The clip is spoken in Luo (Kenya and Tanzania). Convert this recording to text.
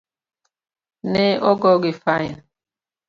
Ne ogogi fain.